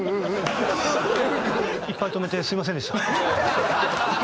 いっぱい止めてすみませんでした。